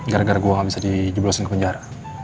gara gara gue nggak bisa dijublosin ke penjara